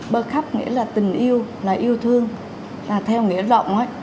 bực khắp nghĩa là tình yêu là yêu thương là theo nghĩa rộng ấy